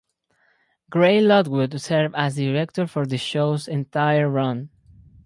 Grey Lockwood served as director for the show's entire run.